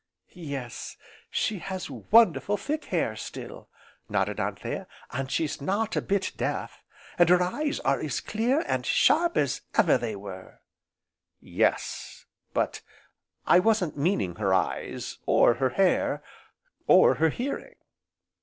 "Yes, she has wonderful thick hair still," nodded Anthea, "and she's not a bit deaf, and her eyes are as clear, and sharp as ever they were." "Yes, but I wasn't meaning her eyes, or her hair, or her hearing."